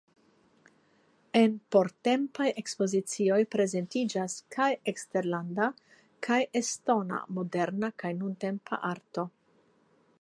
En portempaj ekspozicioj prezentiĝas kaj eksterlanda kaj estona moderna kaj nuntempa arto.